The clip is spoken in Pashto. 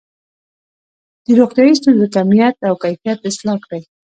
د روغتیايي ستونزو کمیت او کیفیت اصلاح کړي.